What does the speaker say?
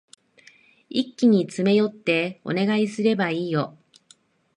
一気に詰め寄ってお願いすればいいよ。